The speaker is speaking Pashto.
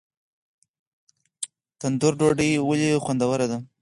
تندور ډوډۍ ولې خوندوره ده؟